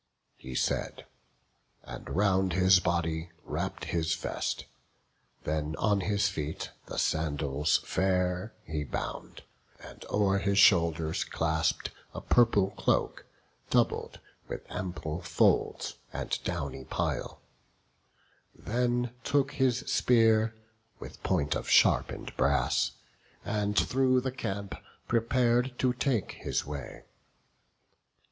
He said, and round his body wrapped his vest; Then on his feet his sandals fair he bound, And o'er his shoulders clasp'd a purple cloak, Doubled, with ample folds, and downy pile; Then took his spear, with point of sharpen'd brass, And through the camp prepar'd to take his way.